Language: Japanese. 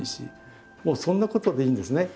そんなことでいいんですね。